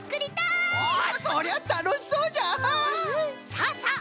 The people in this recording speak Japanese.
さあさあ